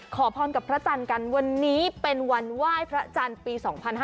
ขอพรกับพระจันทร์กันวันนี้เป็นวันไหว้พระจันทร์ปี๒๕๕๙